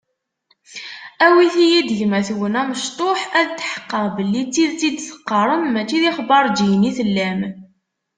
Awit-iyi-d gma-twen amecṭuḥ, ad tḥeqqeɣ belli d tidet i d-teqqarem, mačči d ixbaṛǧiyen i tellam.